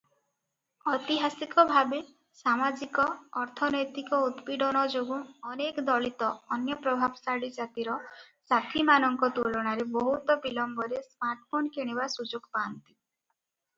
ଐତିହାସିକ ଭାବେ ସାମାଜିକ-ଅର୍ଥନୈତିକ ଉତ୍ପୀଡ଼ନ ଯୋଗୁଁ ଅନେକ ଦଳିତ ଅନ୍ୟ ପ୍ରଭାବଶାଳୀ ଜାତିର ସାଥୀମାନଙ୍କ ତୁଳନାରେ ବହୁତ ବିଳମ୍ବରେ ସ୍ମାର୍ଟଫୋନ କିଣିବା ସୁଯୋଗ ପାଆନ୍ତି ।